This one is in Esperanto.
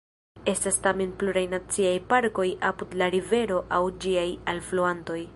Estas tamen pluraj naciaj parkoj apud la rivero aŭ ĝiaj alfluantoj.